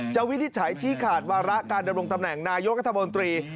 จะวินิจฉายชี้ขาดวาระการเดินลงทำแหน่งในาโยกรธบนตรี